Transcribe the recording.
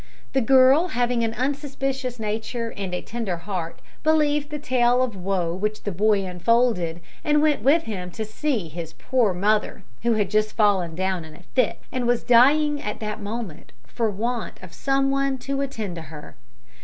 The girl, having an unsuspicious nature, and a tender heart, believed the tale of woe which the boy unfolded, and went with him to see "his poor mother," who had just fallen down in a fit, and was dying at that moment for want of physic and some one to attend to her.